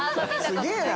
すげぇな！